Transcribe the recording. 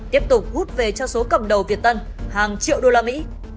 tiếp tục hút về cho số cầm đầu việt tân hàng triệu đô la mỹ